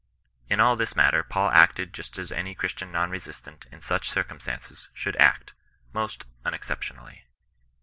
In all this matter Paul acted just as any Chris tian non resistant, in such circumstances, should act, most tmexceptionably.